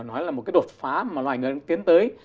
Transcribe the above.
nói là một cái đột phá mà loài người đang tiến tới